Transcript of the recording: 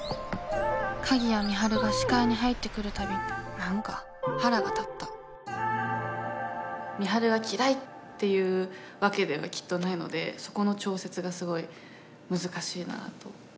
鍵谷美晴が視界に入ってくるたび何か腹が立った美晴が嫌いっていうわけではきっとないのでそこの調節がすごい難しいなと。